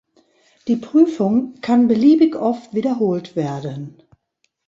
Die Prüfung kann beliebig oft wiederholt werden.